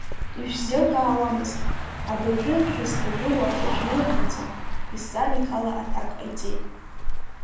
Ишәзеилкаауамызт, абыржәы шәызҭагылоу аҿы шәнеиаанӡа, изҵаара ихала аҭак ҟаиҵеит.